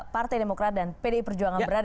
partai demokrat dan pdi perjuangan itu akan berhasil